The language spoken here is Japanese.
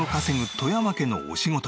外山家のお仕事